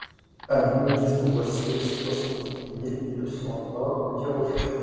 Avenue Gaston Boissier, soixante-dix-huit mille deux cent vingt Viroflay